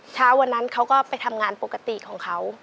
เช้าวันนั้นเขาก็ไปทำงานปกติของเขา